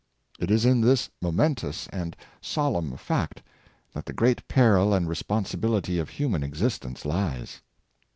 It is in this momentous and solemn fact that the great peril and responsibility of human existence lies.